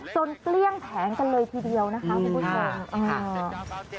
เกลี้ยงแผงกันเลยทีเดียวนะคะคุณผู้ชม